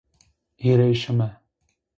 Hirêşeme